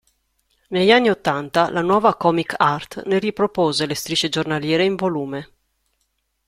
Negli anni ottanta la nuova Comic Art ne ripropose le strisce giornaliere in volume.